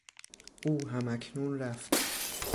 او هم اکنون رفت.